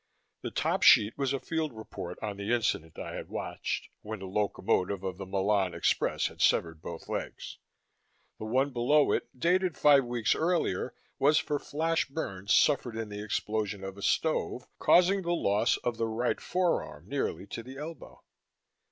The top sheet was a field report on the incident I had watched, when the locomotive of the Milan express had severed both legs. The one below it, dated five weeks earlier, was for flash burns suffered in the explosion of a stove, causing the loss of the right forearm nearly to the elbow.